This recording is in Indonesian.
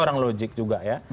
orang logik juga ya